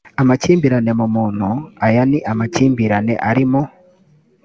amakimbirane mu muntu aya ni amakimbirane ari mu